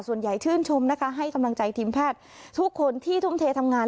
ชื่นชมนะคะให้กำลังใจทีมแพทย์ทุกคนที่ทุ่มเททำงาน